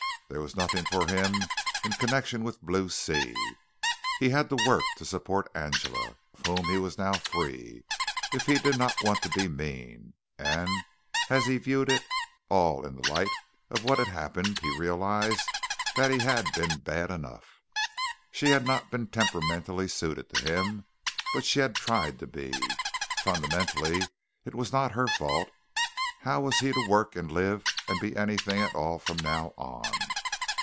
There was nothing for him in connection with Blue Sea. He had to work to support Angela, of whom he was now free, if he did not want to be mean; and as he viewed it all in the light of what had happened, he realized that he had been bad enough. She had not been temperamentally suited to him, but she had tried to be. Fundamentally it was not her fault. How was he to work and live and be anything at all from now on?